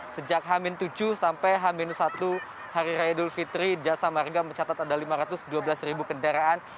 sejak hamin tujuh sampai hamin satu hari raya dulfitri jasa marga mencatat ada lima ratus dua belas ribu kendaraan